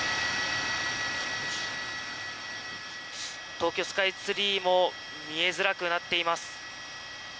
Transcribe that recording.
東京スカイツリーも見えづらくなっています。